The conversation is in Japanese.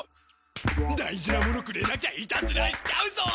大事なものくれなきゃイタズラしちゃうぞ！